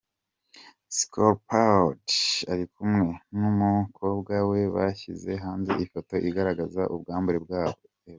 Skolopad ari kumwe n’ umukobwa we bashyize hanze ifoto igaragaza ubwambure bwabo.